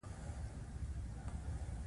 دوی پاکې اوبه لري.